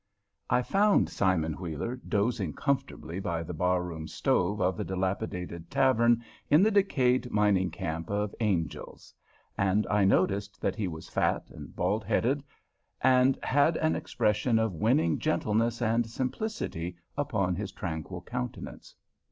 I found Simon Wheeler dozing comfortably by the bar room stove of the dilapidated tavern in the decayed mining camp of Angel's, and I noticed that he was fat and bald headed, and had an expression of winning gentleness and simplicity upon his tranquil countenance.